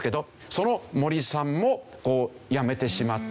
その森さんも辞めてしまった。